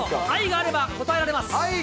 愛があれば答えられます。